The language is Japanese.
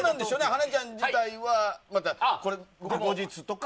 ハナちゃん自体はまた後日とか。